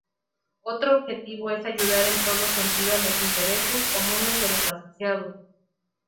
Otro objetivo es ayudar en todo sentido a los intereses comunes de los asociados.